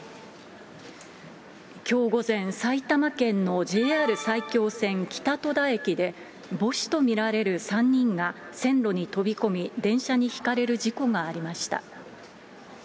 きょう午前、埼玉県のＪＲ埼京線北戸田駅で、母子と見られる３人が線路に飛び込み、電車にひかれる事故がありました。